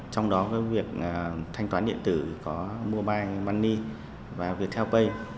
trong đó với việc thanh toán điện tử có mobile money và việt theo pay